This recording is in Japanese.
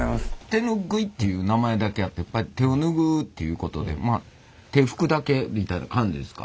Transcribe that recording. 手ぬぐいっていう名前だけあってやっぱり手をぬぐうっていうことで手拭くだけみたいな感じですか？